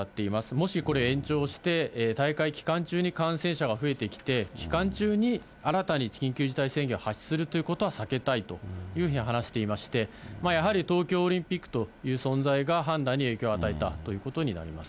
もしこれ延長して、大会期間中に感染者が増えてきて、期間中に新たに緊急事態宣言を発出するということは避けたいというふうに話していまして、やはり東京オリンピックという存在が、判断に影響を与えたということになります。